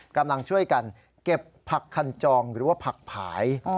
กำลังช่วยกันเก็บผักคันจองหรือว่าผักผาย